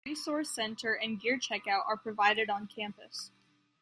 A resource center and gear checkout are provided on campus.